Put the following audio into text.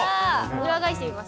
裏返してみます？